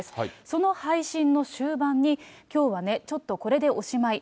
その配信の終盤に、きょうはね、ちょっとこれでおしまい。